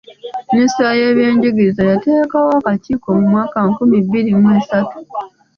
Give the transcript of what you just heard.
Minisitule y’ebyenjigiriza yateekawo akakiiko mu mwaka nkumi bbiri mu esatu.